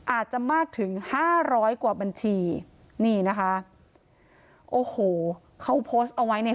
อาจจะมากถึงห้าร้อยกว่าบัญชีนี่นะคะโอ้โหเขาโพสต์เอาไว้เนี่ย